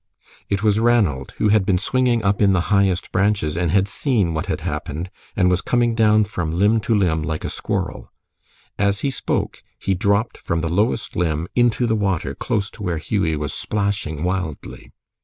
It was Ranald, who had been swinging up in the highest branches, and had seen what had happened, and was coming down from limb to limb like a squirrel. As he spoke, he dropped from the lowest limb into the water close to where Hughie was splashing wildly.